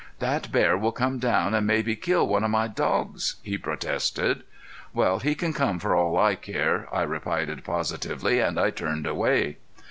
"That bear will come down an' mebbe kill one of my dogs," he protested. "Well, he can come for all I care," I replied, positively, and I turned away.